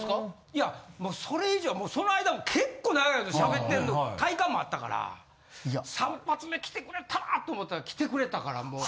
いやもうそれ以上はその間も結構長いことしゃべってんの体感もあったから３発目来てくれたらと思ったら来てくれたからもう。